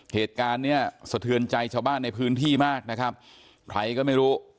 เหตุการณ์เนี้ยสะเทือนใจชาวบ้านในพื้นที่มากนะครับใครก็ไม่รู้